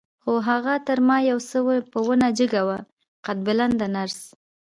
خو هغه تر ما یو څه په ونه جګه وه، قد بلنده نرس.